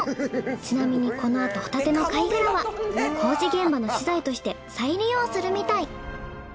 ちなみにこのあとホタテの貝殻は工事現場の資材として再利用するみたい。